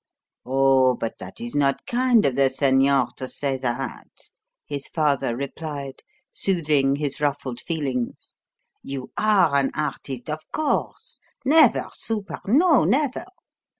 "Oh, but that is not kind of the señor to say that," his father replied, soothing his ruffled feelings. "You are an artist, of course; never super no, never.